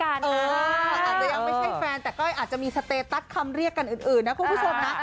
อาจจะยังไม่ใช่แฟนแต่ก้อยอาจจะมีสเตตัสคำเรียกกันอื่นนะคุณผู้ชมนะ